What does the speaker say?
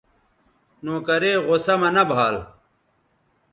نوکرے غصہ مہ نہ بھال